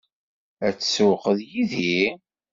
Ad tsewweq yid-i?